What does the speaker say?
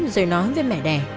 rồi nói với mẹ đẻ